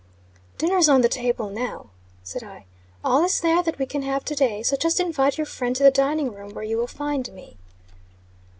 "Dinner's on the table now," said I. "All is there that we can have to day. So just invite your friend to the dining room, where you will find me."